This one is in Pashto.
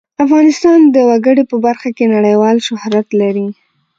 افغانستان د وګړي په برخه کې نړیوال شهرت لري.